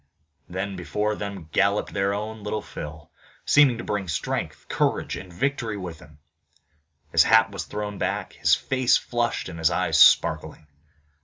Then before them galloped their own Little Phil, seeming to bring strength, courage and victory with him. His hat was thrown back, his face flushed, and his eyes sparkling.